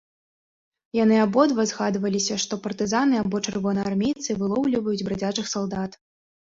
Яны абодва здагадваліся, што партызаны або чырвонаармейцы вылоўліваюць брадзячых салдат.